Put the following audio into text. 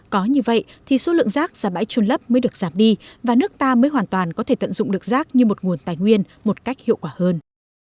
có như vậy thì số lượng rác ra bãi trôn lấp mới được giảm đi và nước ta mới hoàn toàn có thể tận dụng được rác như một nguồn tài nguyên một cách hiệu quả hơn